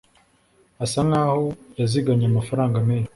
Asa nkaho yazigamye amafaranga menshi.